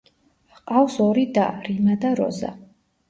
ჰყავს ორი და, რიმა და როზა.